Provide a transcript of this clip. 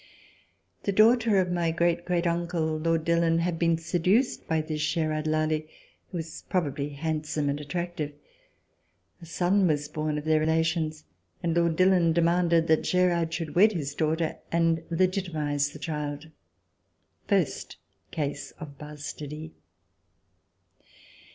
The daughter of my great great uncle, Lord Dillon, had been seduced by this Gerard Lally, who was probably handsome and attractive. A son was born of their relations, and Lord Dillon demanded that Gerard should wed his daughter and legitimatize the child: first case of bastardy.